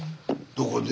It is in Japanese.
どこで？